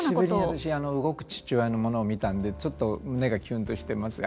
久しぶりに私動く父親のものを見たのでちょっと胸がキュンとしてます。